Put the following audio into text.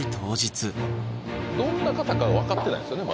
どんな方か分かってないんですよね